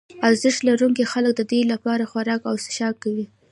ارزښت لرونکي خلک ددې لپاره خوراک او څښاک کوي.